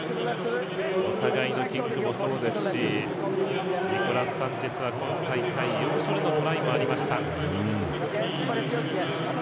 お互いにキックもそうですしニコラス・サンチェスは、今大会要所でのトライもありました。